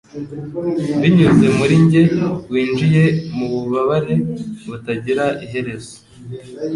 binyuze muri njye winjiye mububabare butagira iherezo